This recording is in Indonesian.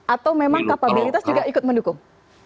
atau memang kapabilitas juga ikut mendukung